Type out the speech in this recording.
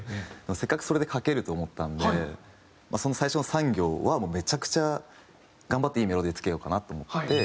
せっかくそれで書けると思ったんでその最初の３行はもうめちゃくちゃ頑張っていいメロディーつけようかなと思って。